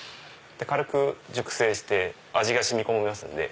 軽く熟成して味が染み込みますんで。